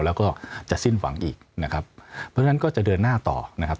แล้วก็จะสิ้นหวังอีกนะครับเพราะฉะนั้นก็จะเดินหน้าต่อนะครับ